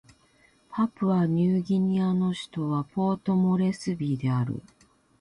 パプアニューギニアの首都はポートモレスビーである